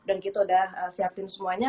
dan kita udah siapin semuanya